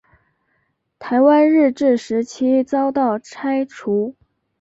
台湾日治时期遭到拆除。